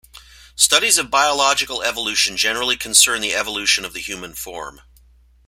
Studies of biological evolution generally concern the evolution of the human form.